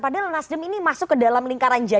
padahal nasdem ini masuk ke dalam lingkaran jawa